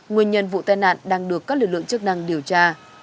nguyên nhân vụ tai nạn đang được các lực lượng chức năng điều tra